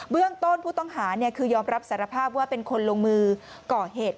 เรื่องต้นผู้ต้องหาคือยอมรับสารภาพว่าเป็นคนลงมือก่อเหตุ